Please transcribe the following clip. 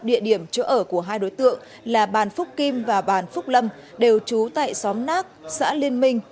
địa điểm chỗ ở của hai đối tượng là bàn phúc kim và bàn phúc lâm đều trú tại xóm nác xã liên minh